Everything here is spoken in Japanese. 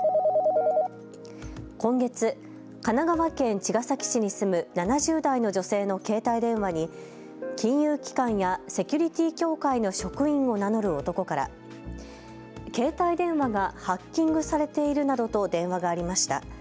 今月、神奈川県茅ヶ崎市に住む７０代の女性の携帯電話に金融機関やセキュリティ協会の職員を名乗る男から携帯電話がハッキングされているなどと電話がありました。